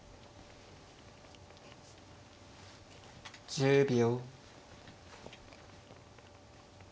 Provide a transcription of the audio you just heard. １０秒。